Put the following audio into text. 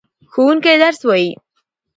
ښوونکی درس وايي.